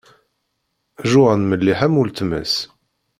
Joan melliḥ am uletma-s.